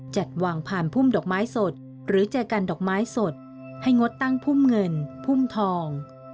จัดวางผ่านพุ่มดอกไม้สดหรือแจกันดอกไม้สดให้งดตั้งพุ่มเงินพุ่มทอง